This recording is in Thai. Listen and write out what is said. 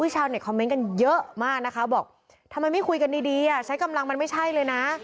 ชาวเน็ตคอมเมนต์กันเยอะมากนะคะบอกทำไมไม่คุยกันดีใช้กำลังมันไม่ใช่เลยนะ